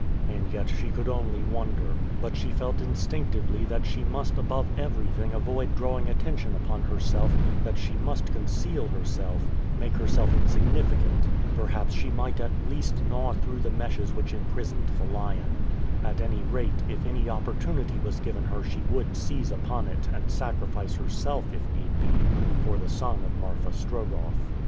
As yet she could only wonder, but she felt instinctively that she must above everything avoid drawing attention upon herself, that she must conceal herself, make herself insignificant. Perhaps she might at least gnaw through the meshes which imprisoned the lion. At any rate if any opportunity was given her she would seize upon it, and sacrifice herself, if need be, for the son of Marfa Strogoff.